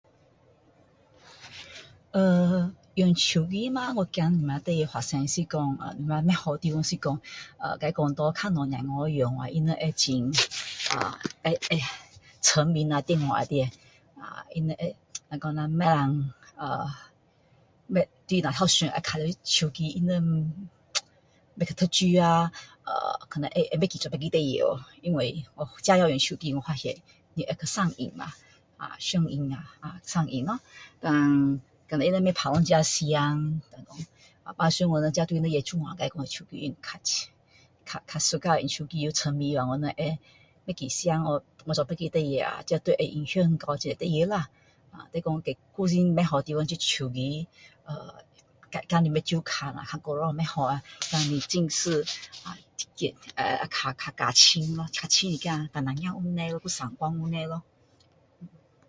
呃用手机嘛我怕什么发生是说给较小孩子用的话我觉得比较多小孩会呃会会沉迷在电话里面啊他们会怎么说啦呃不能呃怎么说啦他们会一直想要玩手机他们不读书啊呃可能会不记得去做别的事情去因为一直用手机他们会上瘾啊上瘾啊胆他们不会打算自己时间平常我们就会忘记时间去做自己的事情不去做自己的事情还有一个事情就是手机看久了对他们让你眼睛不好呃比较深一点有近视问题也有散光问题